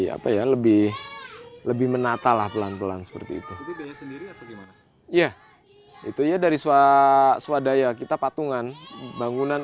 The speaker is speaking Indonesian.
apa ya lebih lebih menata lah pelan pelan seperti itu ya itu ya dari swadaya kita patungan bangunan